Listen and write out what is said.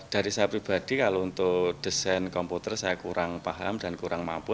dari saya pribadi kalau untuk desain komputer saya kurang paham dan kurang mampu